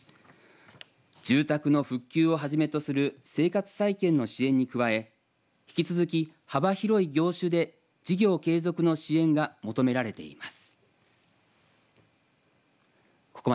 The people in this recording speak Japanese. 住宅の復旧を始めとする生活再建の支援に加え引き続き、幅広い業種で事業継続の支援が求められています。